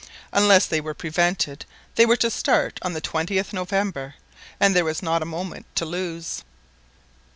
Unless they were prevented they were to start on the 20th November, and there was not a moment to lose.